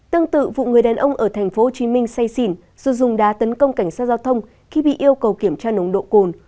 tương tự vụ người đàn ông ở thành phố hồ chí minh xây xỉn dù dùng đá tấn công cảnh sát giao thông khi bị yêu cầu kiểm tra nồng độ cồn